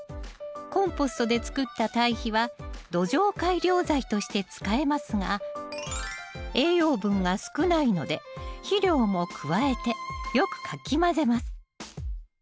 コンポストでつくった堆肥は土壌改良材として使えますが栄養分が少ないので肥料も加えてよくかき混ぜます。